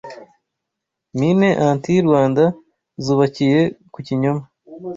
Mines anti Rwanda’ zubakiye ku kinyoma